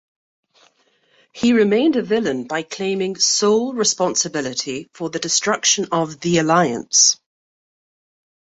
He remained a villain by claiming sole responsibility for the destruction of The Alliance.